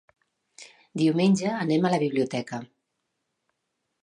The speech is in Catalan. Diumenge anem a la biblioteca.